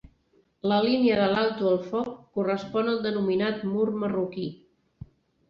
La línia de l'alto-el-foc correspon al denominat mur marroquí.